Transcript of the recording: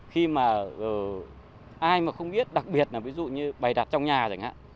khi mà ai mà không biết đặc biệt là ví dụ như bày đặt trong nhà chẳng hạn